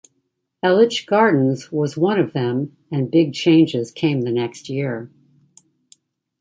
Elitch Gardens was one of them and big changes came the next year.